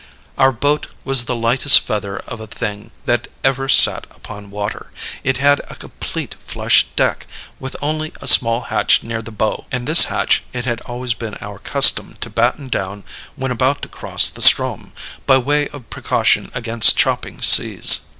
"Our boat was the lightest feather of a thing that ever sat upon water. It had a complete flush deck, with only a small hatch near the bow; and this hatch it had always been our custom to batten down when about to cross the Ström, by way of precaution against chopping seas.